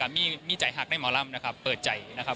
มีใจหักได้หมอลำนะครับเปิดใจนะครับ